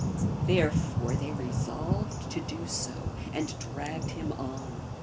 57 Therefore they resolved to do so, and dragged him on.